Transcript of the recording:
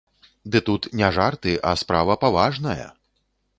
Ды тут не жарты, а справа паважная!